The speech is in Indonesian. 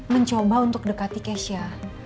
mencoba untuk dekati keisha